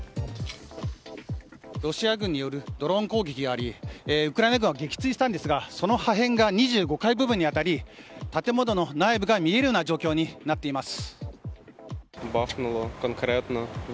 ロシア軍によるドローン攻撃がありウクライナ軍は撃墜したんですがその破片が２５階部分に当たり建物の内部が見えるような状況になっています。